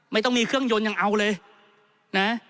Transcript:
ไม่ต้องมีเครื่องยนต์ยังเอาเลยนะ